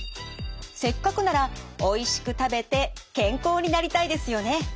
せっかくならおいしく食べて健康になりたいですよね。